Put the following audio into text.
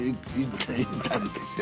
いったんですよ。